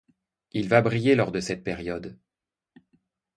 Il va briller lors de cette période.